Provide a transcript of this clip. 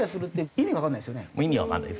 意味わかんないですね。